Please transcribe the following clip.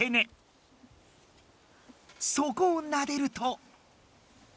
そこをなでると。